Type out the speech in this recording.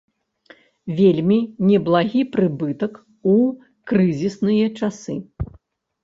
Вельмі неблагі прыбытак у крызісныя часы.